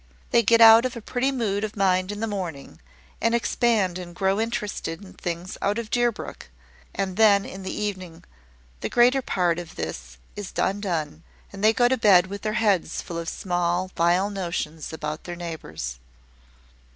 They get out of a pretty mood of mind in the morning, and expand and grow interested in things out of Deerbrook; and then, in the evening, the greater part of this is undone, and they go to bed with their heads full of small, vile notions about their neighbours."